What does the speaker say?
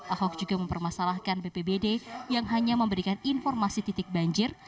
ahok juga mempermasalahkan bpbd yang hanya memberikan informasi titik banjir